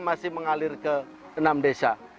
masih mengalir ke enam desa